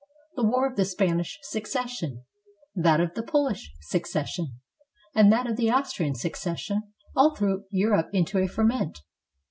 The War of the Spanish Succession, that of the Polish Succession, and that of the Austrian Succession all threw Europe into a ferment.